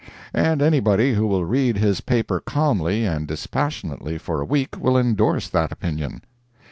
And anybody who will read his paper calmly and dispassionately for a week will endorse that opinion.